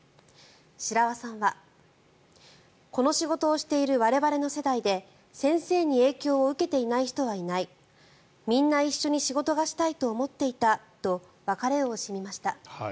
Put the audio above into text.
白輪さんはこの仕事をしている我々の世代で先生に影響を受けていない人はいないみんな一緒に仕事がしたいと思っていたと別れを惜しみました。